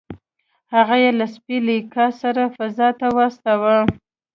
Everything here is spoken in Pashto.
هغه یې له سپي لیکا سره فضا ته واستاوه